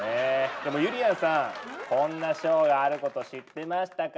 でもゆりやんさんこんな賞があること知ってましたか？